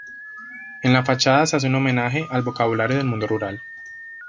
En la fachada se hace un homenaje al vocabulario del mundo rural.